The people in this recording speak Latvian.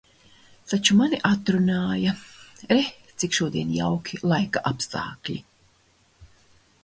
Taču mani atrunāja. Re, cik šodien jauki laikapstākļi!